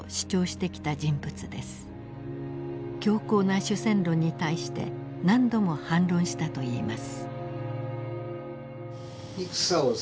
強硬な主戦論に対して何度も反論したといいます。